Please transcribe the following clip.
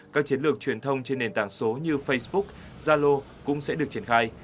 các chiến lược truyền thông trên nền tảng số như facebook zalo cũng sẽ được triển khai